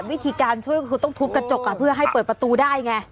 วิธีการช่วยก็คือต้องทุบกระจกเพื่อให้เปิดประตูได้ไง